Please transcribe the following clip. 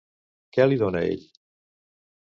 Què li dona ell?